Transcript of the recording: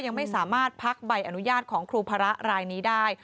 ยังไม่สามารถพักใบอนุญาตของครูพระรายนี้ได้